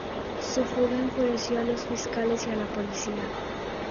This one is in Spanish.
Su fuga enfureció a los fiscales y a la policía.